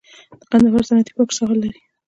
د کندهار صنعتي پارک څه حال لري؟